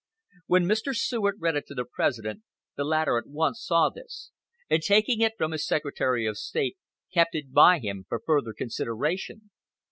When Mr. Seward read it to the President the latter at once saw this, and taking it from his Secretary of State kept it by him for further consideration.